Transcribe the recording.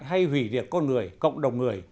hay hủy điện con người cộng đồng người